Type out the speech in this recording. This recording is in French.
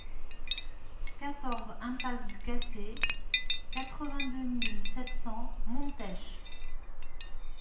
quatorze impasse du Cassé, quatre-vingt-deux mille sept cents Montech